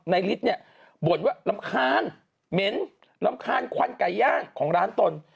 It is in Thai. ฤทธิ์เนี่ยบ่นว่ารำคาญเหม็นรำคาญควันไก่ย่างของร้านตน